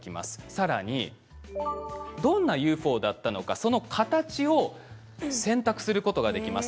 さらにどんなＵＦＯだったのか、その形を選択することができます。